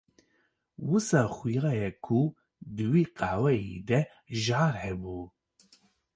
Wisa xwiya ye ku di wî qehweyî de jahr hebû.